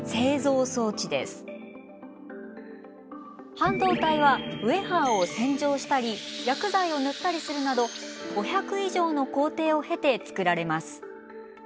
半導体はウエハーを洗浄したり薬剤を塗ったりするなど５００以上の工程を経てつくられます。